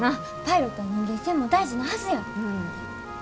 パイロットは人間性も大事なはずや。